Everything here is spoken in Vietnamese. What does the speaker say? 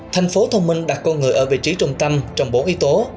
thành phố thông minh đặt con người ở vị trí trung tâm trong bốn yếu tố